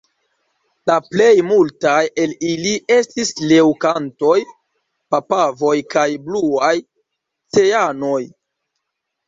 La plejmultaj el ili estis leŭkantoj, papavoj kaj bluaj cejanoj.